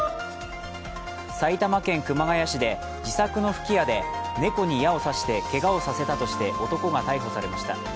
埼玉県熊谷市で自作の吹き矢で猫に矢を刺してけがをさせたとして男が逮捕されました。